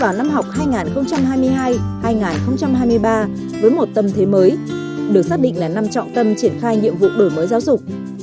sau hai năm ảnh hưởng nặng nề của dịch covid một mươi chín ngành giáo dục bước vào năm học hai nghìn hai mươi hai hai nghìn hai mươi ba với một tâm thế mới được xác định là năm trọng tâm triển khai nhiệm vụ đổi mới giáo dục